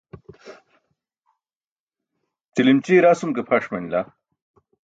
ćilimćiye rasum ke pʰaṣ manila